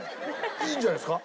いいんじゃないですか。